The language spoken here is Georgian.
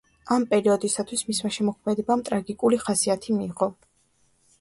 ამ პერიოდისათვის მისმა შემოქმედებამ ტრაგიკული ხასიათი მიიღო.